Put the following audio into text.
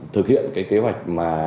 thực hiện cái kế hoạch